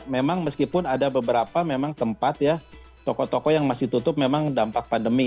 memang meskipun ada beberapa memang tempat ya toko toko yang masih tutup memang dampak pandemi